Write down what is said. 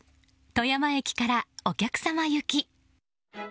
富山駅からお客様行き。